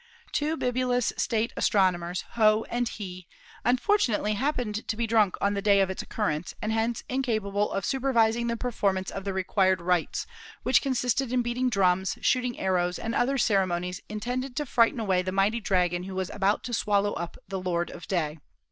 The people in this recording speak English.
Two bibulous state astronomers, Ho and Hi, unfortunately THE SUN 95 happened to be drunk on the day of its occurrence and hence incapable of supervising the performance of the required rites, which consisted in beating drums, shooting arrows and other ceremonies intended to frighten away the mighty dragon who was about to swallow up the Lord of Day.